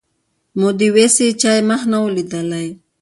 مودې وسوې چا یې مخ نه وو لیدلی